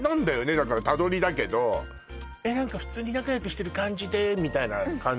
だから他撮りだけどえっ何か普通に仲よくしてる感じでみたいな感じ？